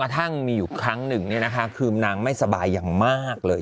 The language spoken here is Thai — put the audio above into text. กระทั่งมีอยู่ครั้งหนึ่งนี่นะคะคือนางไม่สบายอย่างมากเลย